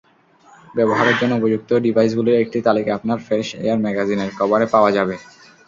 ব্যবহারের জন্য উপযুক্ত ডিভাইসগুলির একটি তালিকা আপনার ফ্রেশ এয়ার ম্যাগাজিনের - কভারে পাওয়া যাবে।